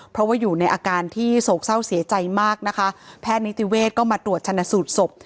เพราะว่าอยู่ในอาการที่โศกเศร้าเสียใจมากนะคะแพทย์นิติเวศก็มาตรวจชนะสูตรศพ